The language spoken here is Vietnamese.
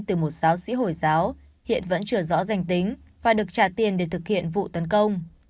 từ một giáo sĩ hồi giáo hiện vẫn chưa rõ danh tính và được trả tiền để thực hiện vụ tấn công